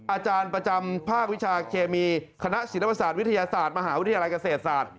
อาจารย์ประจำภาควิชาเคมีคณะศิลปศาสตร์วิทยาศาสตร์มหาวิทยาลัยเกษตรศาสตร์